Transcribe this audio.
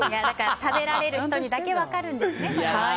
食べられる人にだけ分かるんですね。